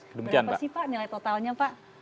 berapa sih pak nilai totalnya pak